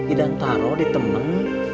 idan taruh di temen